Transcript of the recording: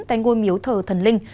tên ngôi miếu thờ thần linh